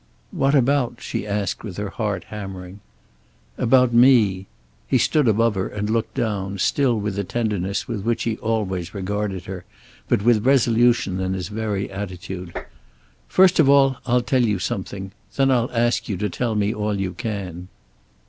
"What about?" she asked, with her heart hammering. "About me." He stood above her, and looked down, still with the tenderness with which he always regarded her, but with resolution in his very attitude. "First of all, I'll tell you something. Then I'll ask you to tell me all you can."